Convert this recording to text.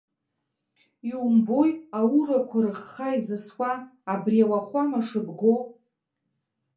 Иумбои, аурақәа рыхха изысуа, абри ауахәама шыбго?